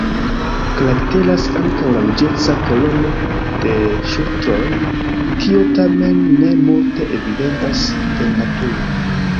Karakteras ankaŭ la ruĝeca koloro de ŝultroj, kio tamen ne multe evidentas en naturo.